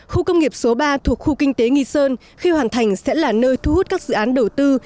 khu công nghiệp số ba thuộc khu kinh tế nghi sơn khi hoàn thành sẽ là nơi thu hút các dự án đầu tư